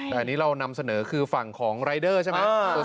แต่อันนี้เรานำเสนอคือฝั่งของรายเดอร์ใช่ไหม